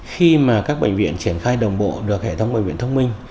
khi mà các bệnh viện triển khai đồng bộ được hệ thống bệnh viện thông minh